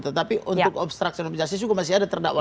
tetapi untuk obstruction of justice juga masih ada terdakwa